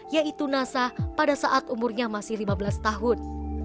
yaitu nasa pada saat umurnya masih lima belas tahun